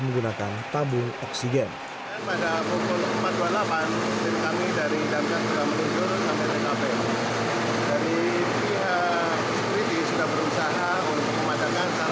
menggunakan tabung oksigen pada pukul empat dua puluh delapan dari kami dari damai kejauhan menuju sampai